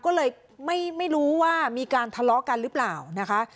ก็เลยไม่รู้ว่ามีการทะเลาะกันหรือเปล่านะคะ